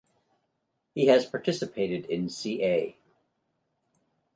He has participated in ca.